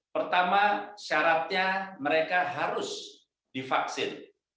pertama syaratnya mereka harus divaksin